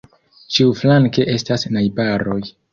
Ĉiuflanke estas najbaroj.